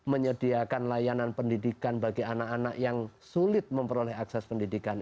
menyediakan layanan pendidikan bagi anak anak yang sulit memperoleh akses pendidikan